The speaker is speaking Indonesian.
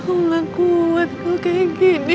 aku gak kuat kalau kayak gini